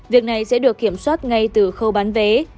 việc này sẽ được kiểm soát ngay từ khâu bán vé